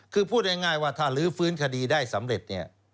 คือพูดง่ายว่าถ้าลื้อฟื้นคดีได้สำเร็จเนี่ย